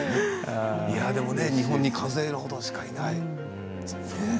でも日本に数えるほどしかいない。